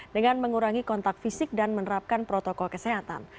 dengan mengurangi kontak fisik dan menerapkan protokol kesehatan